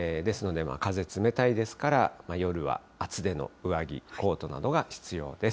ですので、風冷たいですから、夜は厚手の上着、コートなどが必要です。